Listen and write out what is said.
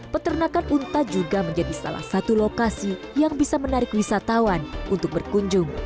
peternakan unta juga menjadi salah satu lokasi yang bisa menarik wisatawan untuk berkunjung